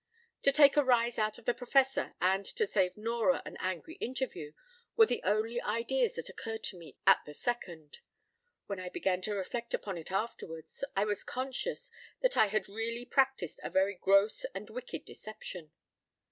To take a rise out of the Professor, and to save Nora an angry interview, were the only ideas that occurred to me at the second: when I began to reflect upon it afterwards, I was conscious that I had really practised a very gross and wicked deception.